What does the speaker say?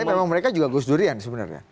tapi memang mereka juga gusdurian sebenarnya